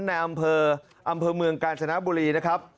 ในอำเภอเมืองกาญจนบุรีนะครับ